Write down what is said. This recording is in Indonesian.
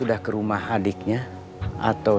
pak agung dzau